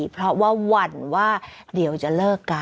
เพราะว่าหวั่นว่าเดี๋ยวจะเลิกกัน